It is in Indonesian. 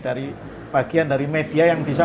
dari bagian dari media yang bisa